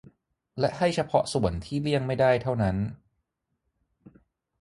และให้เฉพาะส่วนที่เลี่ยงไม่ได้เท่านั้น